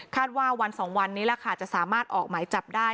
คาดว่าวันสองวันนี้แหละค่ะจะสามารถออกไหมจับได้